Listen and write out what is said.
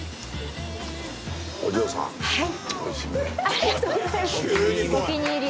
ありがとうございます。